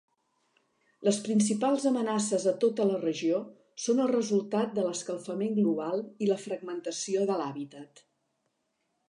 Les principals amenaces a tota la regió són el resultat de l'escalfament global i la fragmentació de l'hàbitat.